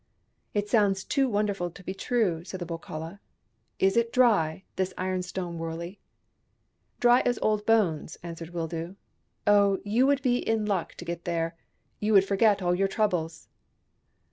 " It sounds too wonderful to be true," said the Wokala. "Is it dry, this ironstone wurley ?"" Dry as old bones," answered Wildoo. " Oh, you would be in luck to get there — you would forget all your troubles."